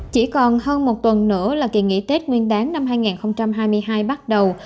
chỉ còn hơn một tuần nữa là kỳ nghỉ tết nguyên đáng năm hai nghìn hai mươi hai bắt đầu